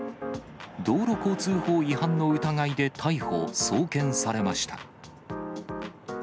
道路交通法違反の疑いで逮捕・送検されました。